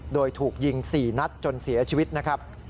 โดยถูกยิง๔นัดจนเสียชีวิตนะครับ